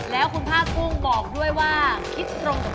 แล้วคุณพาสกุ้งบอกด้วยว่าคิดตรงกับน้อง